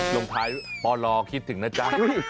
ลงท้ายปลคิดถึงนะจ๊ะ